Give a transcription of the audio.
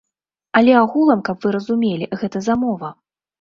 Але агулам, каб вы разумелі, гэта замова.